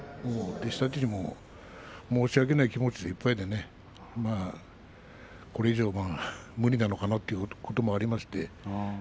弟子たちにも申し訳ない気持ちでいっぱいですけれどもこれから無理なのかなという気持ちがありました。